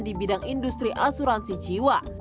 di bidang industri asuransi jiwa